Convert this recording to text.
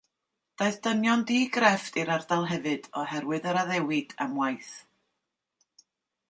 Daeth dynion di-grefft i'r ardal hefyd oherwydd yr addewid am waith.